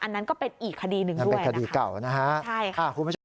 อันนั้นก็เป็นอีกคดีหนึ่งด้วยนะคะใช่ค่ะคุณผู้ชม